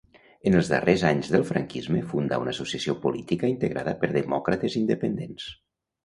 En els darrers anys del franquisme fundà una associació política integrada per demòcrates independents.